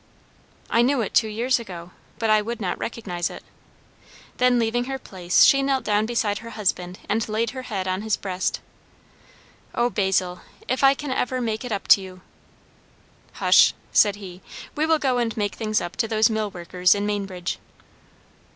"I knew it two years ago but I would not recognise it." Then leaving her place she knelt down beside her husband and laid her head on his breast. "O Basil, if I can ever make up to you!" "Hush!" said he. "We will go and make things up to those millworkers in Mainbridge."